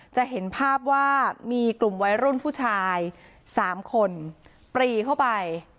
จะเห็นภาพว่ามีกลุ่มวัยรุ่นผู้ชาย๓คนปรีเข้าไป